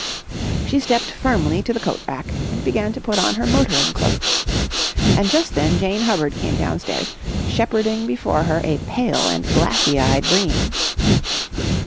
She stepped firmly to the coat rack, and began to put on her motoring cloak. And just then Jane Hubbard came downstairs, shepherding before her a pale and glassy eyed Bream.